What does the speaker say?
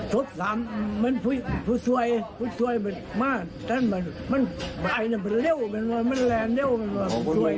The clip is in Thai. สุดสามมันผู้ช่วยผู้ช่วยมากมันแรงเร็วมันผู้ช่วย